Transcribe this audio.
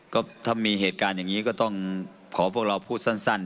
ก็ถ้ามีเหตุการณ์อย่างนี้ก็ต้องขอพวกเราพูดสั้น